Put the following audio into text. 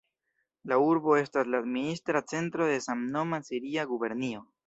La urbo estas la administra centro de samnoma siria gubernio.